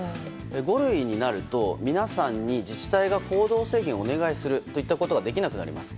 五類になると皆さんに自治体が行動制限をお願いするといったことができなくなります。